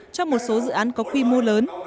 cho một số dự án có quy mô lớn